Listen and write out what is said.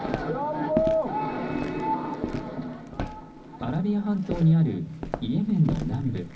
アラビア半島にあるイエメンの南部。